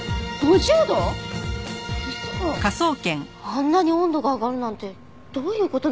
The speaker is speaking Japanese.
あんなに温度が上がるなんてどういう事なんです？